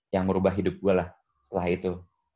yang merubah hidup gue lah setelah itu